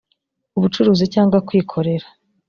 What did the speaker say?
ubucuruzi cyangwa kwikorera